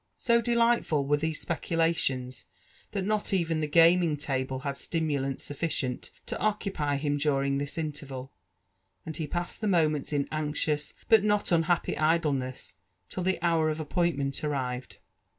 So delightful were these speculations, that not even the gaming table had stimulant sufficient to occupy him during this interval, and he passed the moments in anxious but not unhappy idleness till the hour of appointment arrived.